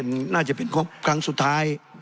น่าจะเป็นครบครั้งสุดท้าย